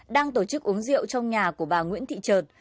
đang tổ chức uống rượu trong nhà của bà nguyễn thị trợt